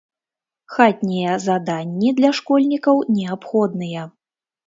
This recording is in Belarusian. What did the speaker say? Хатнія заданні для школьнікаў неабходныя.